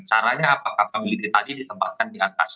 caranya apakah kabiliti tadi ditempatkan di atas